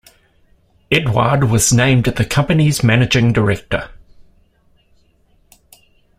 Edouard was named the company's managing director.